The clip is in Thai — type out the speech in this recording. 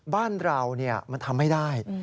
บ้านเรามันทำไม่ได้